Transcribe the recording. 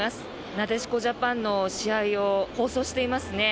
なでしこジャパンの試合を放送していますね。